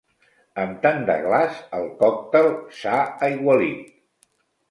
Amb tant de glaç el còctel s'ha aigualit.